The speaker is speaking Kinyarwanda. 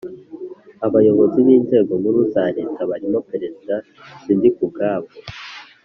Abayobozi b inzego nkuru za Leta barimo Perezida Sindikubwabo